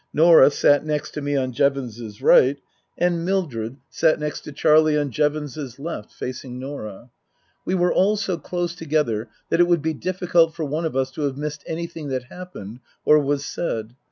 Norah sat next to me on Jevons's right, and Mildred sat 150 Tasker Jevons next to Charlie on Jevons's left, facing Norah. We were all so close together that it would be difficult for one of us to have missed anything that happened or was said.